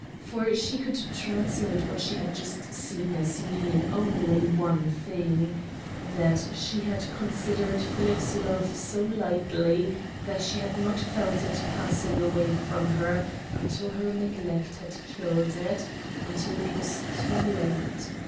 For she could translate what she had just seen as meaning only one thing that she had considered Philip's love so lightly that she had not felt it passing away from her until her neglect had killed it until it was too late.